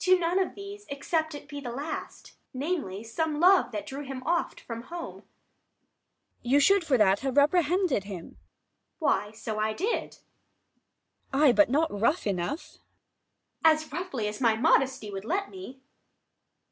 Adr. To none of these, except it be the last; 55 Namely, some love that drew him oft from home. Abb. You should for that have reprehended him. Adr. Why, so I did. Abb. Ay, but not rough enough. Adr. As roughly as my modesty would let me.